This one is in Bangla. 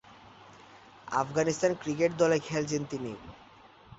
আফগানিস্তান ক্রিকেট দলে খেলছেন তিনি।